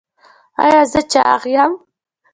ایا زه چاغ یم؟